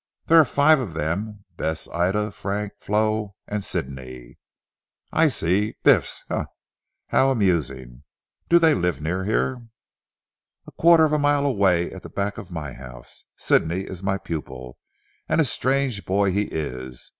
There are five of them. Bess, Ida, Frank, Flo, and Sidney." "I see; Biff's! Ha! Ha, how amusing. Do they live near here?" "A quarter of a mile away, at the back of my house. Sidney is my pupil and a strange boy he is.